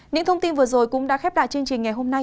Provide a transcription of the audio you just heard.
những thông tin vừa rồi cũng đã khép lại chương trình ngày hôm nay